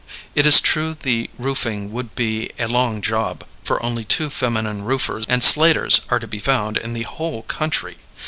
It is true the roofing would be a long job, for only two feminine roofers and slaters are to be found in the whole country.